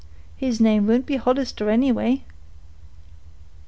—his name won't be Hollister, anyway."